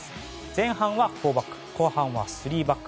前半は４バック後半は３バック。